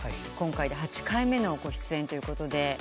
今回で８回目のご出演ということで。